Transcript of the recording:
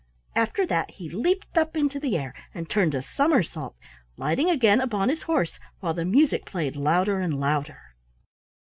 After that he leaped up into the air, and turned a somersault, lighting again upon his horse, while the music played louder and louder.